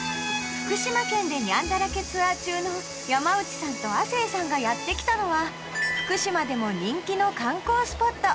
福島県でニャンだらけツアー中の山内さんと亜生さんがやって来たのは福島でも人気の観光スポット